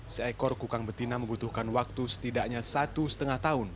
seekor kukang betina membutuhkan waktu setidaknya satu setengah tahun